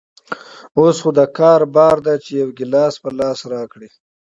اوس خو دکار بار ده چې يو ګيلاس په لاس راکړي.